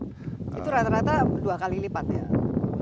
itu rata rata dua kali lipat ya